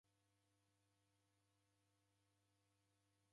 Marangi ghawo